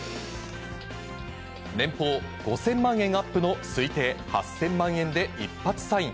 年俸５０００万円アップの推定８０００万円で一発サイン。